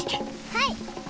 はい！